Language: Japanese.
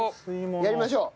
やりましょう。